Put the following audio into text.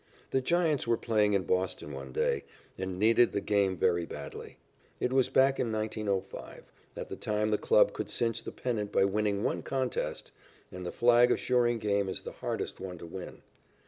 The Giants were playing in Boston one day, and needed the game very badly. It was back in 1905, at the time the club could cinch the pennant by winning one contest, and the flag assuring game is the hardest one to win.